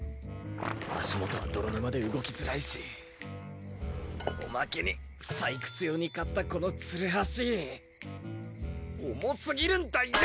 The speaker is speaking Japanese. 足元は泥沼で動きづらいしおまけに採掘用に買ったこのツルハシ重すぎるんだよ！